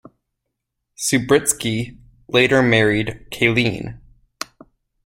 Subritzky later married Kaylene.